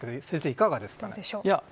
いかがですかね。